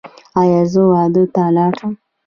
ایا زه واده ته لاړ شم؟